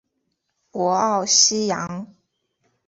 博奥西扬。